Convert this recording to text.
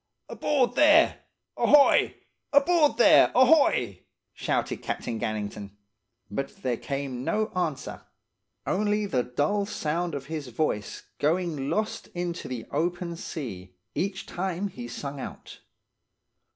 "'Aboard there! Ahoy! Aboard there! Ahoy!' shouted Captain Gannington; but there came no answer, only the dull sound his voice going lost into the open sea, each time he sung out.